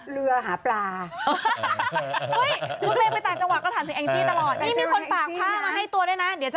รับทราบ